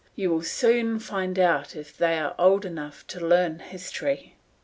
You will soon find out if they are old enough to learn history.